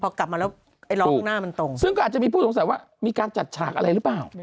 พอกลับมาแล้วไอ้ล้อข้างหน้ามันตรงซึ่งก็อาจจะมีผู้สงสัยว่ามีการจัดฉากอะไรหรือเปล่า